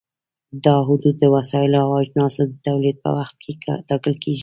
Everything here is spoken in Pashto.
دا حدود د وسایلو او اجناسو د تولید په وخت کې ټاکل کېږي.